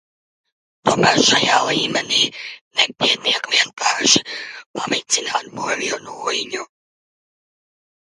Tomēr šajā līmenī nepietiek vienkārši pavicināt burvju nūjiņu.